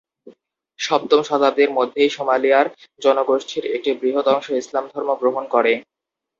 সপ্তম শতাব্দীর মধ্যেই সোমালিয়ার জনগোষ্ঠীর একটি বৃহৎ অংশ ইসলাম ধর্ম গ্রহণ করে।